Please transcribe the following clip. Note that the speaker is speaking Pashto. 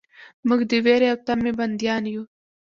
موږ د ویرې او طمعې بندیان یو.